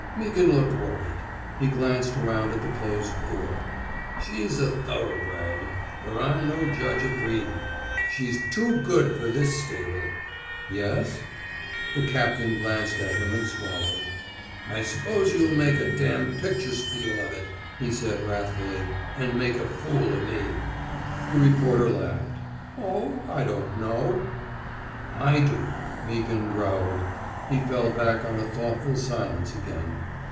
Meaghan looked worried. He glanced aronnd at the closed door. '* She's a thor oughbred — er I'm no judge o' breedin.' She's too good fer this stable." '' Yesf " The captain glanced at him, and swallowed. *' I s'pose yuh'll make a d picture spiel of it," he said, wrathfully, *' an' make a fool o' me." The reporter laughed. Oh, I don't know." I do," Meaghan growled. He fell back on a thoughtful silence again.